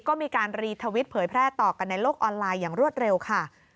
ก็มีการรีทวิตเผยแพร่ต่อกันในโลกออนไลน์อย่างรวดเร็วค่ะ